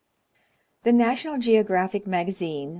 THE NATIONAL GEOGRAPHIC MAGAZINE.